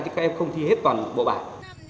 chứ các em không thi hết toàn bộ bài